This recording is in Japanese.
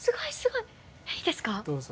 どうぞ。